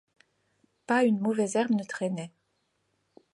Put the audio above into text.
Pas une mauvaise herbe ne traînait.